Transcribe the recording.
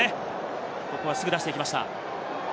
すぐ出していきました。